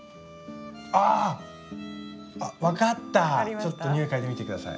ちょっと匂い嗅いでみて下さい。